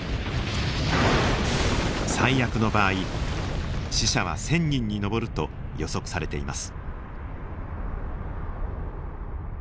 最悪の場合死者は１，０００人に上ると予測されています。